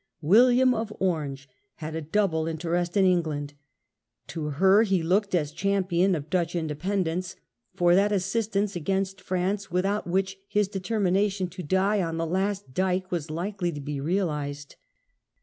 William of Orange had a double interest in England. To her he looked, as champion of Dutch independence, for that assistance against France, without which his determination to die on the last dyke was likely to be realized.